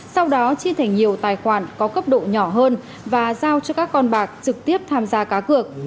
sau đó chia thành nhiều tài khoản có cấp độ nhỏ hơn và giao cho các con bạc trực tiếp tham gia cá cược